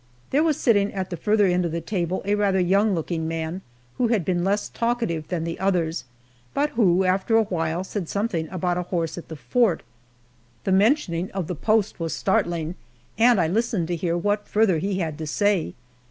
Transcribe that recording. There was sitting at the farther end of the table a rather young looking man, who had been less talkative than the others, but who after a while said something about a horse at the fort. The mentioning of the post was startling, and I listened to hear what further he had to say.